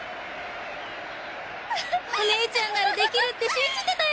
お姉ちゃんならできるって信じてたよ！